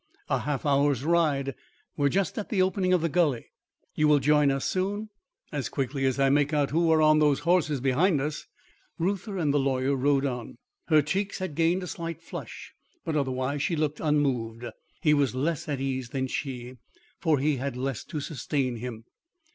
"A half hour's ride. We are just at the opening of the gully." "You will join us soon?" "As quickly as I make out who are on the horses behind us." Reuther and the lawyer rode on. Her cheeks had gained a slight flush, but otherwise she looked unmoved. He was less at ease than she; for he had less to sustain him.